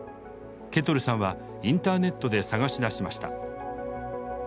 ケトルさんはインターネットで探し出しました。